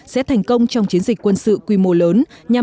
sẽ thành công trong chiến dịch quân sự quy mô lớn nhằm